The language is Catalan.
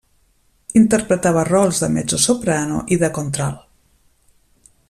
Interpretava rols de mezzosoprano i de contralt.